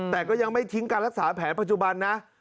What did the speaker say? แต่ก็ยังไม่ทิ้งการรักษาแผลปัจจุบันนะ